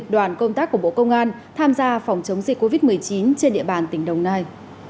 đoàn công tác của bộ công an tham gia phòng chống dịch covid một mươi chín trên địa bàn tỉnh đồng nai